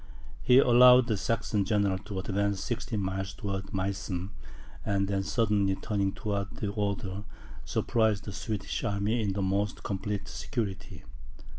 He allowed the Saxon general to advance sixteen miles towards Meissen, and then suddenly turning towards the Oder, surprised the Swedish army in the most complete security.